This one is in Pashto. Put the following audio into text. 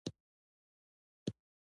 مېلمه ته د شکر احساس ورکړه.